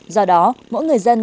do đó mỗi người dân